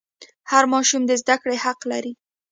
هر ماشوم د زده کړې حق لري.